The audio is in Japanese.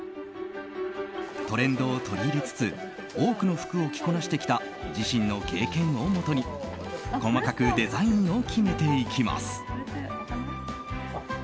トレンドを取り入れつつ多くの服を着こなしてきた自身の経験をもとに細かくデザインを決めていきます。